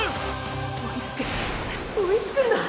追いつく追いつくんだ。